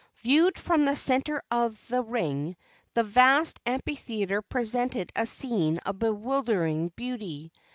Viewed from the center of the ring, the vast amphitheatre presented a scene of bewildering beauty.